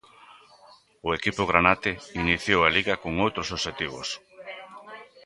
O equipo granate iniciou a Liga con outros obxectivos.